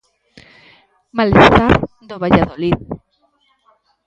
Malestar do Valladolid.